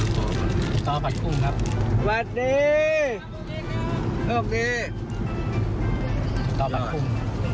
ต้องปรับคุม